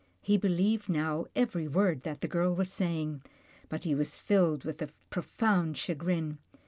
He believed now every word that the girl was say ing, but he was filled with a profound chagrin.